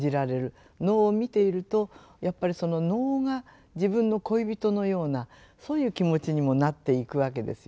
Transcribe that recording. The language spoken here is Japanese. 能を見ているとやっぱりその能が自分の恋人のようなそういう気持ちにもなっていくわけですよね。